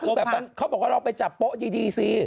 คือแบบเขาบอกว่าลองไปจับโป๊ะดีสิ